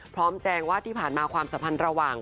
แจงว่าที่ผ่านมาความสัมพันธ์ระหว่าง